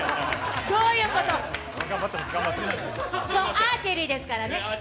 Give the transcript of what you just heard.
アーチェリーですからね。